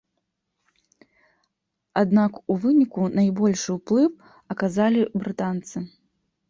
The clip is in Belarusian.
Аднак у выніку найбольшы ўплыў аказалі брытанцы.